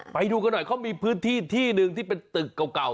ไปดูกันหน่อยเขามีพื้นที่ที่หนึ่งที่เป็นตึกเก่า